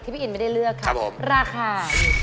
พี่อินไม่ได้เลือกครับราคา